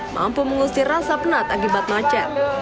mampu mengusir rasa penat akibat macet